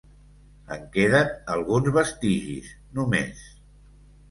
En queden alguns vestigis, només.